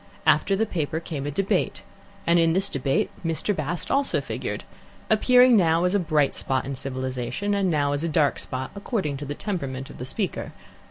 After the paper came a debate, and in this debate Mr. Bast also figured, appearing now as a bright spot in civilization, now as a dark spot, according to the temperament of the speaker.